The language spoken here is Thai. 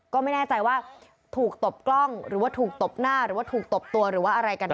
ก็ไม่แน่ใจว่าถูกตบกล้องหรือว่าถูกตบหน้าหรือว่าถูกตบตัวหรือว่าอะไรกันแ